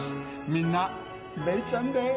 みんなレイちゃんです。